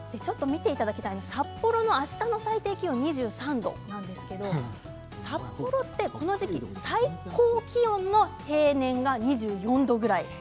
札幌のあしたの最低気温が２３度ですが札幌は、この時期最高気温の平年が２４度ぐらい。